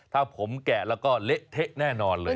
ถ้าผมแกะแล้วก็เละเทะแน่นอนเลย